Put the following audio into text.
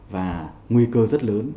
và nguy cơ rất lớn